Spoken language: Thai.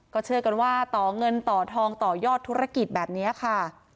เชื่อกันว่าต่อเงินต่อทองต่อยอดธุรกิจแบบนี้ค่ะ